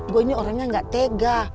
gue ini orangnya gak tega